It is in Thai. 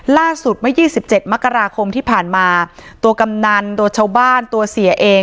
ล่าสุดเมื่อ๒๗มกราคมที่ผ่านมาตัวกำนันตัวชาวบ้านตัวเสียเอง